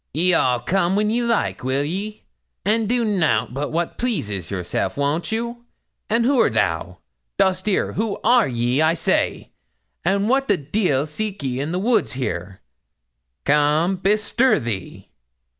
'Ye'll all come when ye like, will ye? and do nout but what pleases yourselves, won't you? And who'rt thou? Dost 'eer who are ye, I say; and what the deil seek ye in the woods here? Come, bestir thee!'